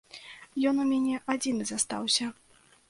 Ён у мяне адзіны застаўся.